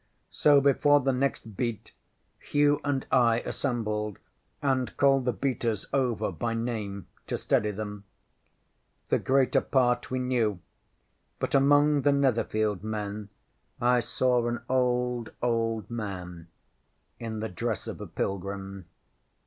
So, before the next beat, Hugh and I assembled and called the beaters over by name, to steady them. The greater part we knew, but among the Netherfield men I saw an old, old man, in the dress of a pilgrim.